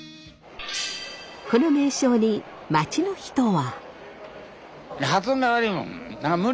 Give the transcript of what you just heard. この名称に街の人は？